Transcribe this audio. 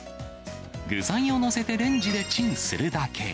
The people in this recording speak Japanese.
具材を載せてレンジでチンするだけ。